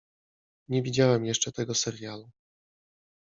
Nie widziałem jeszcze tego serialu.